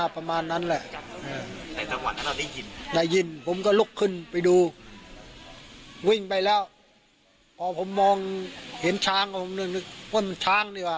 ผมก็ลุกขึ้นไปดูวิ่งไปแล้วพอผมมองเห็นช้างของผมนึกนึกว่ามันช้างดีกว่า